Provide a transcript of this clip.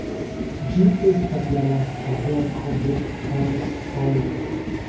Ĝi estas la lasta verko de Tolstoj.